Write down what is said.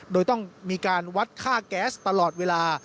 โดยต้องมีการวัดค่าแก๊สตลอดเวลา